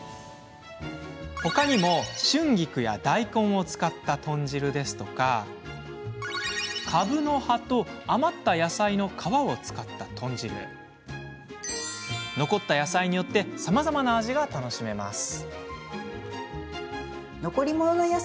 他にも春菊や大根を使った豚汁ですとかかぶの葉と余った野菜の皮を使った豚汁残った野菜によってさまざまな味が楽しめます。